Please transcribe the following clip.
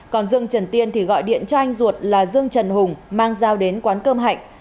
còn dương trần tiên thì gọi điện cho anh ruột là dương trần hùng mang dao đến quán cơm hạnh